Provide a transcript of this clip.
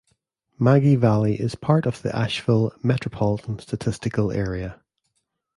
Maggie Valley is part of the Asheville Metropolitan Statistical Area.